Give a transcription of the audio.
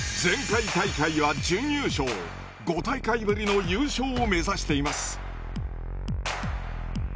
５大会ぶりの優勝を目指しています。